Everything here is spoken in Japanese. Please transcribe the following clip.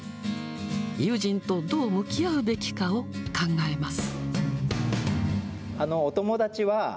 友人とどう向き合うべきかを考えます。